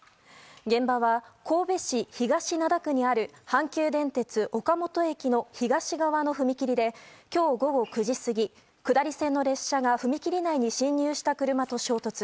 現場は神戸市東灘区にある阪急電鉄岡本駅の東側の踏切で今日午後９時過ぎ下り線の列車が踏切内に進入した車と衝突。